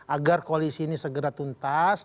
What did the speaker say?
agar koalisi ini segera tuntas